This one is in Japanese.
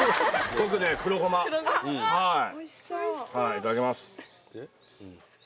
いただきます。